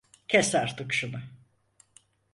Kes artık şunu!